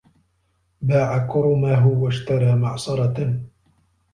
باع كرمه واشترى معصرة